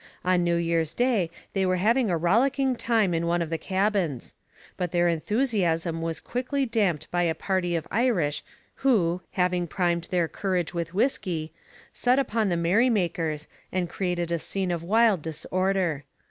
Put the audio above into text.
On New Year's Day they were having a rollicking time in one of the cabins. But their enthusiasm was quickly damped by a party of Irish who, having primed their courage with whisky, set upon the merry makers and created a scene of wild disorder.